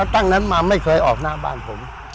ตั้งนั้นมาไม่เคยออกหน้าบ้านผม